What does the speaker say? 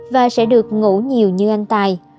và sẽ được ngủ nhiều như anh tài